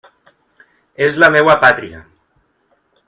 És la meua pàtria.